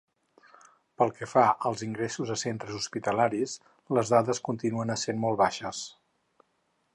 Pel que fa als ingressos a centres hospitalaris, les dades continuen essent molt baixes.